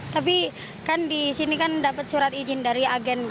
tapi kan di sini kan dapat surat izin dari agen